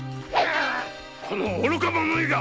この愚か者めが。